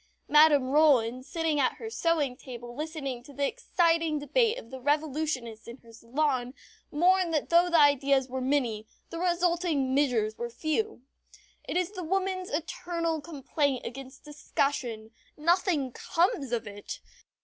Madame Roland, sitting at her sewing table listening to the excited debate of the Revolutionists in her salon, mourned that though the ideas were many, the resulting measures were few. It is the woman's eternal complaint against discussion nothing comes of it.